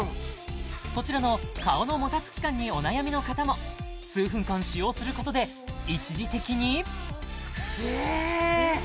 こちらの顔のもたつき感にお悩みの方も数分間使用することで一時的にええっ